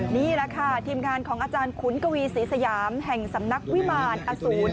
นี่แหละค่ะทีมงานของอาจารย์ขุนกวีศรีสยามแห่งสำนักวิมารอสูร